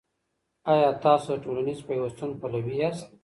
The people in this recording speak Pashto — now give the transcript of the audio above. آيا تاسو د ټولنيز پيوستون پلوي ياست؟